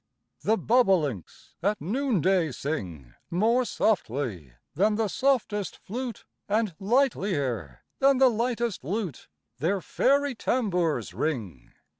The bobolinks at noonday sing More softly than the softest flute, And lightlier than the lightest lute Their fairy tambours ring.